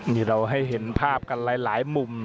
นี่เราให้เห็นภาพกันหลายมุม